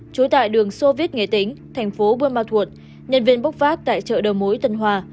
chú tại đường soviet nghệ tính tp buôn ma thuật nhân viên bốc phát tại chợ đồng mối tân hòa